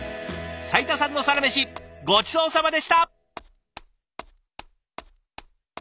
斉田さんのサラメシごちそうさまでした！